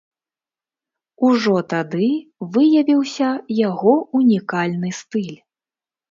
Ужо тады выявіўся яго унікальны стыль.